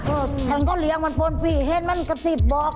ฉันก็เลี้ยงมันป้นพี่เห็นมันกระซิบบอก